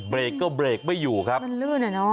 เบรกก็เบรกไม่อยู่ครับมันลื่นอ่ะเนอะ